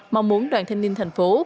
mong muốn đoàn thanh niên thành phố